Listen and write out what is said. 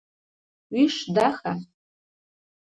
Уиш даха?